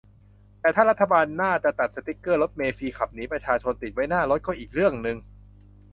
แต้ถ้ารัฐบาลหน้าจะตัดสติ๊กเกอร์ "รถเมล์ฟรี ขับหนีประชาชน" ติดไว้หน้ารถ ก็อีกเรื่องนึง